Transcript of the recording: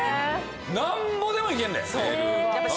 なんぼでも行けんねん。